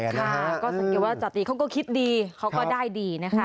ค่ะก็สังเกตว่าจาติเขาก็คิดดีเขาก็ได้ดีนะคะ